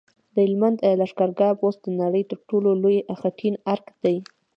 د هلمند لښکرګاه بست د نړۍ تر ټولو لوی خټین ارک دی